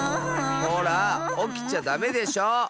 ほらおきちゃダメでしょ！